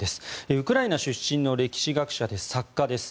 ウクライナ出身の歴史学者で作家です。